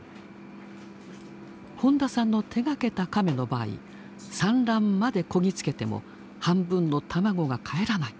本田さんの手がけたカメの場合産卵までこぎ着けても半分の卵がかえらない。